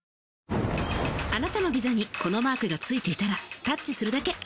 あなたのＶｉｓａにこのマークがついていたらタッチするだけ。